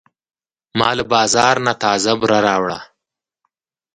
ما له بازار نه تازه بوره راوړه.